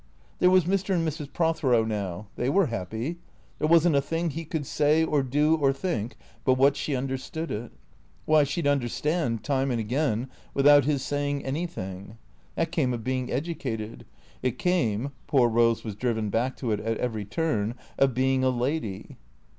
There was Mr. and Mrs. Prothero now. They were happy. There was n't a thing he could say or do or think but what she understood it. Why, she 'd understand, time and again, without his saying anything. That came of being educated. It came (poor Eose was driven back to it at every turn) of being a lady.